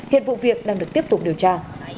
hiện vụ việc đang được tiếp tục điều tra